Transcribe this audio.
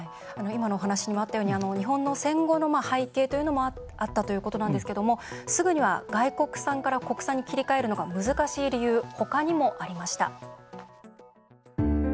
今のお話にもあったように日本の戦後の背景というのもあったということなんですけどもすぐには外国産から国産に切り替えるのが難しい理由ほかにもありました。